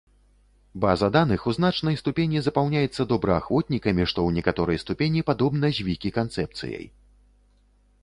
База даных у значнай ступені запаўняецца добраахвотнікамі, што ў некаторай ступені падобна з вікі-канцэпцыяй.